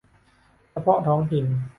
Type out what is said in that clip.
เฉพาะท้องถิ่น